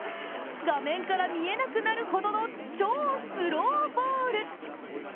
画面から見えなくなるほどの超スローボール。